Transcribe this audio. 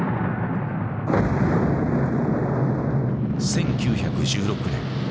１９１６年。